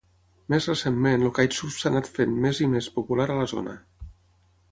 Més recentment el kitesurf s'ha anat fent més i més popular a la zona.